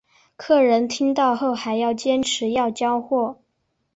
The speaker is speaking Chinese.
客人听到后还是坚持要交货